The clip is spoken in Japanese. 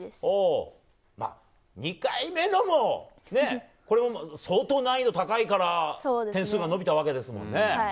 ２回目のも相当難易度高いから点数が伸びたわけですもんね。